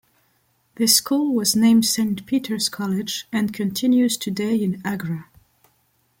This school was named Saint Peter's College and continues today in Agra.